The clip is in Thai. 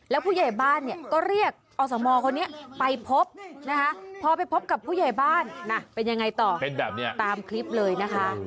แล้วผู้ใหญ่บ้านเนี่ยก็เรียกอสมคนนี้ไปพบนะคะพอไปพบกับผู้ใหญ่บ้านเป็นยังไงต่อเป็นแบบนี้ตามคลิปเลยนะคะ